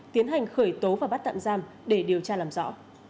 tiến hành khởi tố và bắt tạm giam để điều tra làm rõ